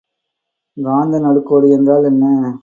காந்த நடுக்கோடு என்றால் என்ன?